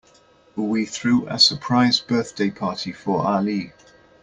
We threw a surprise birthday party for Ali.